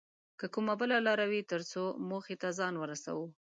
که کومه بله لاره وي تر څو موخې ته ځان ورسوو